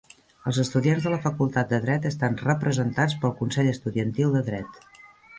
Els estudiants de la Facultat de Dret estan representats pel Consell Estudiantil de Dret.